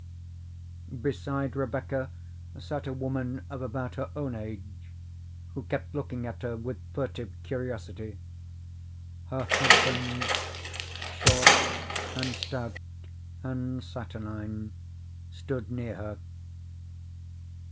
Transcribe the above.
Beside Rebecca sat a woman of about her own age, who kept looking at her with furtive curiosity; her husband, short and stout and saturnine, stood near her.